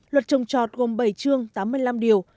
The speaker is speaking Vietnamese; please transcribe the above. luật trồng trọt gồm bảy chương tám mươi năm điều